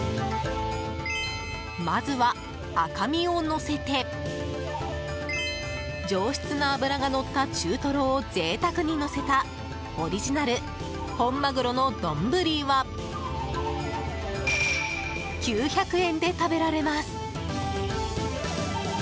まずは赤身をのせて上質な脂がのった中トロを贅沢にのせたオリジナル本マグロの丼は９００円で食べられます。